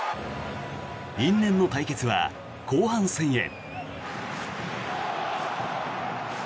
因縁の対決は後半戦へ。